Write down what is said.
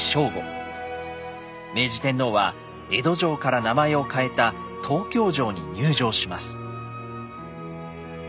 明治天皇は江戸城から名前を変えた東京城に入城します。